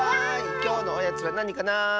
きょうのおやつはなにかな？